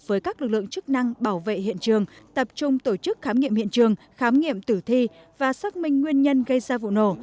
với các lực lượng chức năng bảo vệ hiện trường tập trung tổ chức khám nghiệm hiện trường khám nghiệm tử thi và xác minh nguyên nhân gây ra vụ nổ